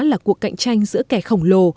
là cuộc cạnh tranh giữa kẻ khổng lồ